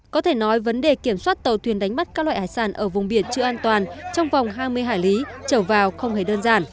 có thể nói vấn đề kiểm soát tàu thuyền đánh bắt các loại hải sản ở vùng biển chưa an toàn trong vòng hai mươi hải lý trở vào không hề đơn giản